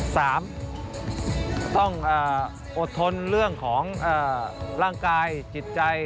สามต้องอดทนเรื่องของร่างกายจิตใจ